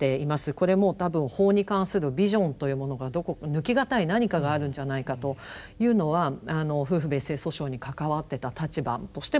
これも多分法に関するビジョンというものが抜きがたい何かがあるんじゃないかというのは夫婦別姓訴訟に関わってた立場としても思います。